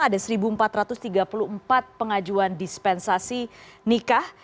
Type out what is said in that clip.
di kabupaten malang ada seribu empat ratus tiga puluh empat pengajuan dispensasi nikah